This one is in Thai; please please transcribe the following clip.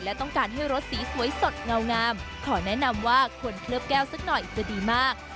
และต้องการให้รสสีสวยสดเงางามขอแนะนำว่าควรเคลือบแก้วสักหน่อยจะดีมาก